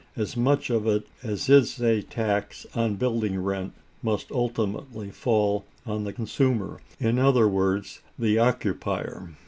As much of it as is a tax on building rent must ultimately fall on the consumer, in other words, the occupier.